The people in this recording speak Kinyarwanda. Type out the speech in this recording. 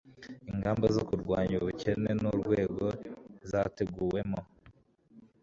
ingamba zo kurwanya ubukene n'urwego zateguwemo